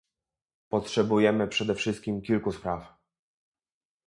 Potrzebujemy przede wszystkim kilku spraw